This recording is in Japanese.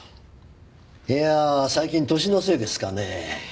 いやあ最近歳のせいですかね。